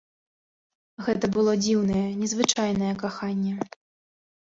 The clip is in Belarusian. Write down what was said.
Гэта было дзіўнае, незвычайнае каханне.